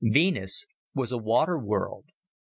Venus was a water world!